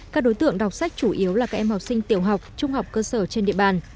các đối tượng đọc sách chủ yếu là các em học sinh tiểu học trung học cơ sở trên địa bàn